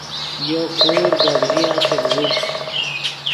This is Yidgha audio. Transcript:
یو کور گپ ژیا چڤزیت